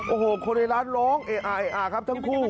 โอ้โหคนในร้านร้องเออะครับทั้งคู่